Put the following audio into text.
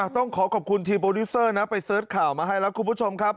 ต้องขอขอบคุณทีมโปรดิวเซอร์นะไปเสิร์ชข่าวมาให้แล้วคุณผู้ชมครับ